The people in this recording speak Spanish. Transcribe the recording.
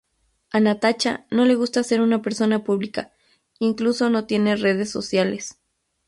A Natacha no le gusta ser una persona publica, incluso no tiene redes sociales.